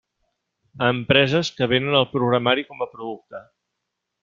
Empreses que venen el programari com a producte.